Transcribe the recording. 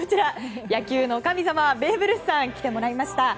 野球の神様ベーブ・ルースさんに来てもらいました。